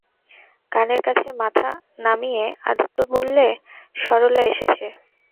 কানের কাছে মাথা নামিয়ে আদিত্য বললে, সরলা এসেছে।